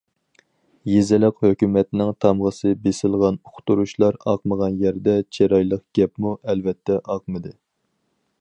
يېزىلىق ھۆكۈمەتنىڭ تامغىسى بېسىلغان ئۇقتۇرۇشلار ئاقمىغان يەردە چىرايلىق گەپمۇ ئەلۋەتتە ئاقمىدى.